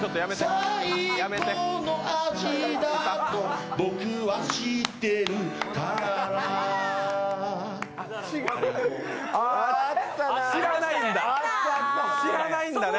最高の味だと僕は知ってるから知らないんだね。